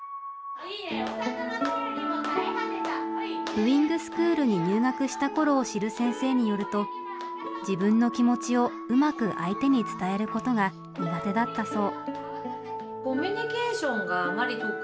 ウイングスクールに入学したころを知る先生によると自分の気持ちをうまく相手に伝えることが苦手だったそう。